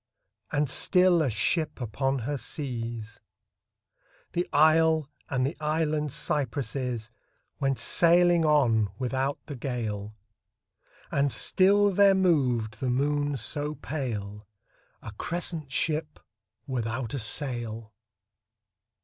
And still, a ship upon her seas, The isle and the island cypresses Went sailing on without the gale : And still there moved the moon so pale, A crescent ship without a sail